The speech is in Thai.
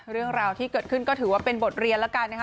เรื่องราวที่เกิดขึ้นก็ถือว่าเป็นบทเรียนแล้วกันนะคะ